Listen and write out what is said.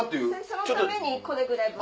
そのためにこれぐらい。